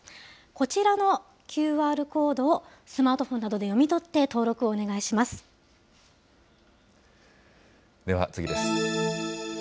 こちらのＱＲコードをスマートフォンなどで読み取って、登録をおでは次です。